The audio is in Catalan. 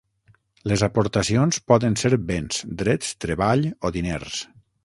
Les aportacions poden ser béns, drets, treball o diners.